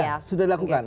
ya sudah dilakukan